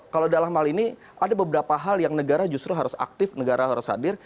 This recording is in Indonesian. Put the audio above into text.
kalau dalam hal ini ada beberapa hal yang negara justru harus aktif negara harus hadir